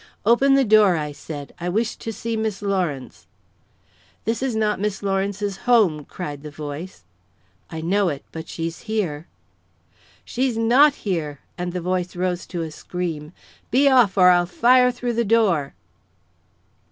"Open the door," I said. "I wish to see Miss Lawrence." "This is not Miss Lawrence's home," cried the voice. "I know it; but she's here." "She's not here!" and the voice rose to a scream. "Be off, or I'll fire through the door!"